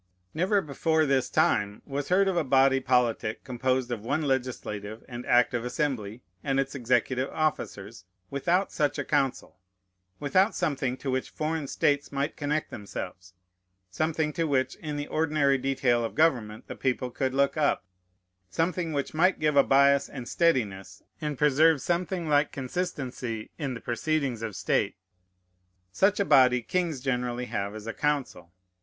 Never, before this time, was heard of a body politic composed of one legislative and active assembly, and its executive officers, without such a council: without something to which foreign states might connect themselves, something to which, in the ordinary detail of government, the people could look up, something which might give a bias and steadiness, and preserve something like consistency in the proceedings of state. Such a body kings generally have as a council.